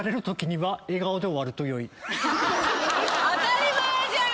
当たり前じゃん！